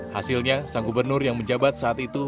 hasilnya sang gubernur yang menjabat saat itu